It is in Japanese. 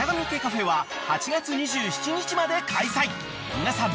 ［皆さん